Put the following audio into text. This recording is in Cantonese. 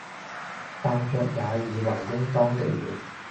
大約也以爲應當的了。